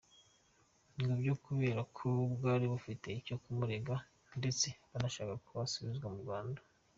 Ngo byari kubera ko bwari bufite icyo bumurega ndetse banashakaga ko asubizwa mu Rwanda.